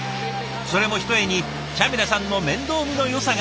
それもひとえにチャミラさんの面倒見のよさがあってこそ。